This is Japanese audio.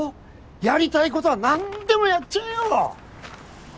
やりたいことは何でもやっちゃえよ！